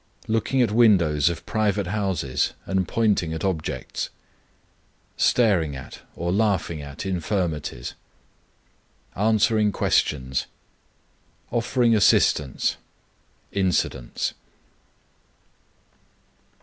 _ Looking at windows of private houses and pointing at objects. Staring at or laughing at infirmities. Answering questions. _Offering assistance. Incidents.